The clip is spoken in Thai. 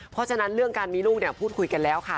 เพราะฉะนั้นเรื่องการมีลูกเนี่ยพูดคุยกันแล้วค่ะ